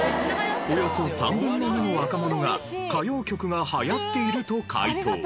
およそ３分の２の若者が歌謡曲が流行っていると回答。